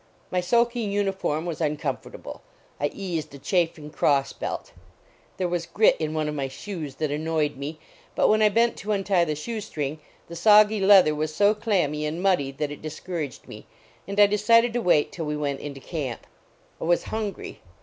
My soaking uniform was uncomfortable; I eased a chafing cross belt. There was grit in one of my shoes that annoyed me, but when I bent to untie the >hoe >tring, the SOggy leather was so clammy and muddy 213 LAUREL AND CYPRESS that it discouraged me, and I decided to wait till we went into camp. I was hungry.